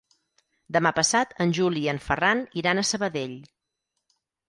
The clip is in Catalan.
Demà passat en Juli i en Ferran iran a Sabadell.